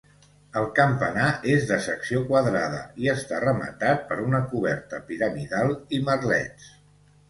El campanar és de secció quadrada i està rematat per una coberta piramidal i merlets.